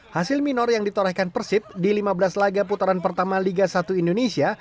hasil minor yang ditorehkan persib di lima belas laga putaran pertama liga satu indonesia